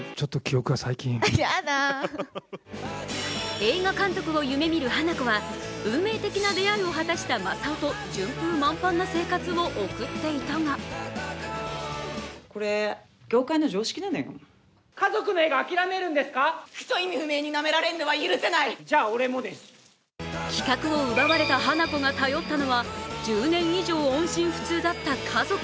映画監督を夢見る花子は運命的な出会いを果たした正夫と順風満帆な生活を送っていたが企画を奪われた花子が頼ったのは１０年以上音信不通だった家族。